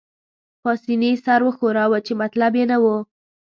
پاسیني سر وښوراوه، چې مطلب يې نه وو.